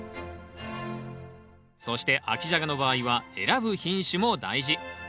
そして秋ジャガの場合は選ぶ品種も大事。